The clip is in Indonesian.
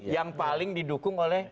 yang paling didukung oleh